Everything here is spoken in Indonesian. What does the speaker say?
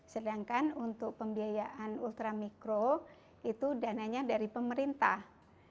sedangkan untuk pembiayaan ultramikro itu dananya dari pemerintah